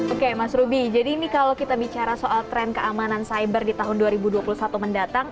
oke mas ruby jadi ini kalau kita bicara soal tren keamanan cyber di tahun dua ribu dua puluh satu mendatang